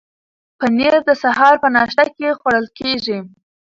پنیر د سهار په ناشته کې خوړل کیږي.